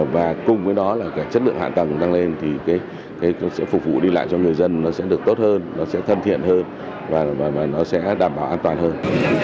và cùng với đó là chất lượng hạ tầng tăng lên thì sẽ phục vụ đi lại cho người dân nó sẽ được tốt hơn nó sẽ thân thiện hơn và nó sẽ đảm bảo an toàn hơn